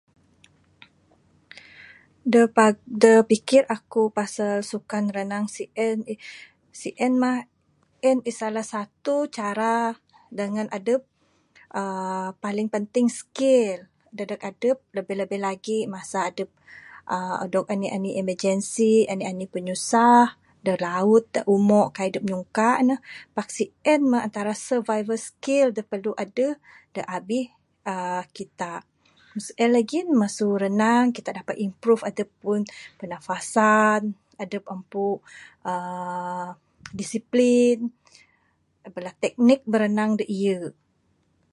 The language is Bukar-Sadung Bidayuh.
Da pa da pikir aku pasal sukan renang sien, sien mah sien Salah satu cara dangan adep uhh paling penting skill dadeg adep labih² lagi masa adep uhh dog anih anih emergency and anih pinyusah da laut da umo kaik dep nyungka ne pak sien mah antara survival skill da perlu adeh da abih aaa kita. Meng sien lagih masu renang kita dapat improve adep ampu pernafasan, adep ampu uhh discipline bala teknik biranang da iye